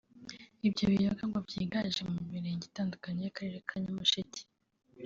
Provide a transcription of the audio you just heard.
Ibyo biyoga ngo byiganje mu mirenge itandukanye y’Akarere ka Nyamasheke